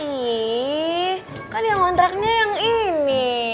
ih kan yang ngontraknya yang ini